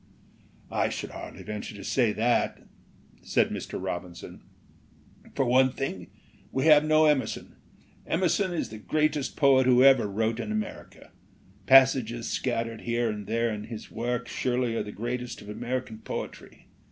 "I should hardly venture to say that," said Mr. Robinson. '' For one thing, we have no Emer son. Emerson is the greatest poet who ever wrote in America. Passages scattered here and there in his work surely are the greatest of American poetry.